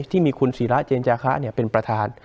ที่มีคุณศิราเจนจาคะเป็นประธาน